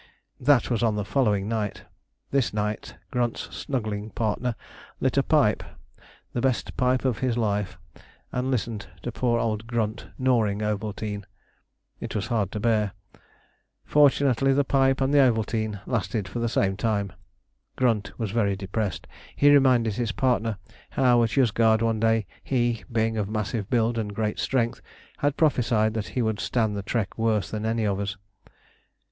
That was on the following night. This night Grunt's snuggling partner lit a pipe, the best pipe of his life, and listened to poor old Grunt gnawing Ovaltine. It was hard to bear. Fortunately the pipe and the Ovaltine lasted for the same time. Grunt was very depressed. He reminded his partner how at Yozgad one day he, being of massive build and great strength, had prophesied that he would stand the trek worse than any of us.